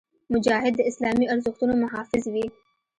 مجاهد د اسلامي ارزښتونو محافظ وي.